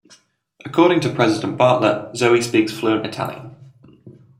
According to President Bartlet, Zoey speaks fluent Italian.